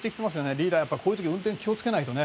リーダー、こういう時は運転に気を付けないとね。